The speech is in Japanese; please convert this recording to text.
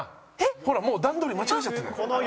ほらもう段取り間違えちゃってるのよ。